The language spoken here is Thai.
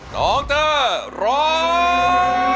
น้องเต้อร้อง